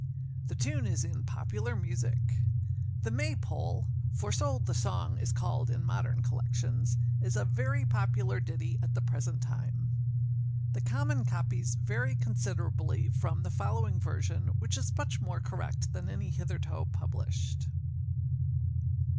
The tune is in Popular Music. The May pole, for so the song is called in modern collections, is a very popular ditty at the present time. The common copies vary considerably from the following version, which is much more correct than any hitherto published.